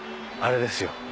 あれですよ。